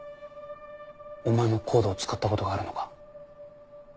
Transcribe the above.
お前もＣＯＤＥを使ったことがあるのか？